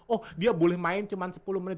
oh dia boleh main cuma sepuluh menit